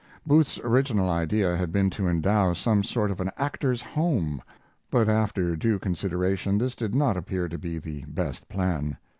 Booth's original idea had been to endow some sort of an actors' home, but after due consideration this did not appear to be the best plan.